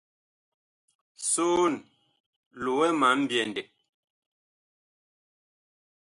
Soon, lowɛ ma mbyɛndɛ.